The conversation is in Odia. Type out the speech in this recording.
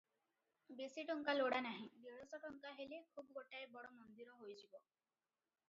ବେଶି ଟଙ୍କା ଲୋଡ଼ା ନାହିଁ, ଦେଢ଼ଶ ଟଙ୍କା ହେଲେ ଖୁବ୍ ଗୋଟାଏ ବଡ଼ ମନ୍ଦିର ହୋଇଯିବ ।